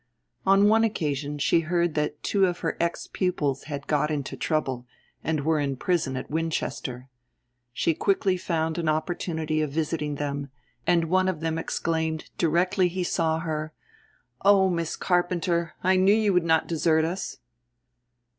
On one occasion she heard that two of her ex pupils had "got into trouble," and were in prison at Winchester. She quickly found an opportunity of visiting them, and one of them exclaimed, directly he saw her, "Oh! Miss Carpenter, I knew you would not desert us!"